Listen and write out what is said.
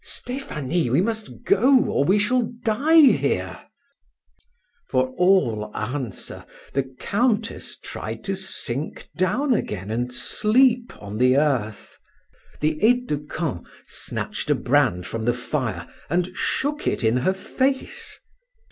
"Stephanie, we must go, or we shall die here!" For all answer, the Countess tried to sink down again and sleep on the earth. The aide de camp snatched a brand from the fire and shook it in her face.